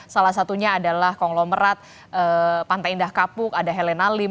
salah satunya adalah konglomerat pantai indah kapuk ada helena lim